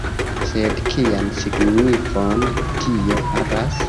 Sed kian signifon tio havas?